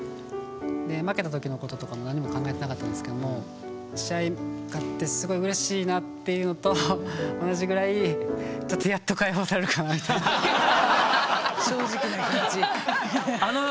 負けた時のこととかも何にも考えてなかったんですけども試合勝ってすごいうれしいなっていうのと同じぐらい正直な気持ち。